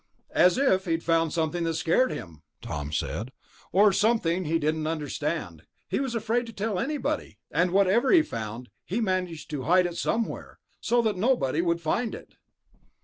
"As if he'd found something that scared him," Tom said, "or something that he didn't understand. He was afraid to tell anybody. And whatever he found, he managed to hide it somewhere, so that nobody would find it...."